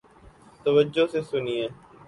توجہ سے سنیئے